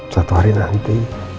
satu hari nanti